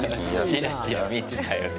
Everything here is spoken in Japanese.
チラチラ見てたよね。